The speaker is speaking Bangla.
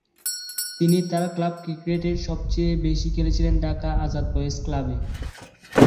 তিনি তার ক্লাব ক্রিকেটের সবচেয়ে বেশি খেলেছেন ঢাকা আজাদ বয়েজ ক্লাবে।